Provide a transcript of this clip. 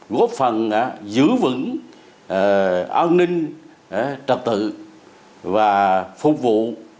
góp phần giữ vững an ninh trật tự và phục vụ